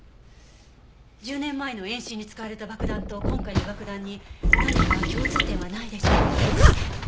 １０年前の演習に使われた爆弾と今回の爆弾に何か共通点はないでしょうか？